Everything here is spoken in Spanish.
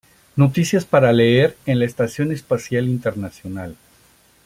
Noticias para leer en la Estación Espacial Internacional".